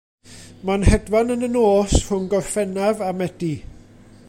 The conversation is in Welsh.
Mae'n hedfan yn y nos rhwng Gorffennaf a Medi.